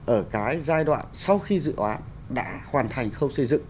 ở cái giai đoạn sau khi dự án đã hoàn thành khâu xây dựng